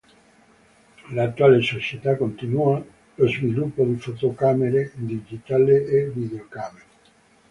L'attuale società continua lo sviluppo di fotocamere digitali e videocamere.